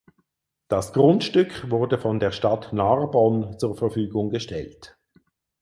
Das Grundstück wurde von der Stadt Narbonne zur Verfügung gestellt.